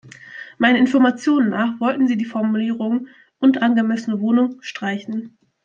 Meinen Informationen nach wollten Sie die Formulierung "und angemessene Wohnung" streichen.